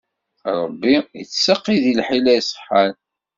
Ṛebbi ittseqqi di lḥila iṣeḥḥan.